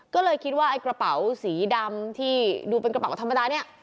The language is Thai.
ก็เลยคิดว่าไอ้กระเป๋าสีดำที่ดูเป็นกระเป๋าธรรมดาเนี่ย